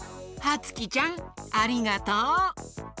はつきちゃんありがとう！